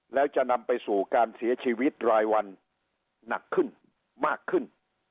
แล้วจะนำไปสู่การเสียชีวิตรายวันหนักขึ้นมากขึ้น